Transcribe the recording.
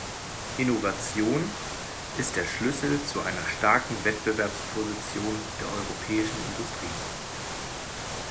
Innovation ist der Schlüssel zu einer starken Wettbewerbsposition der europäischen Industrie.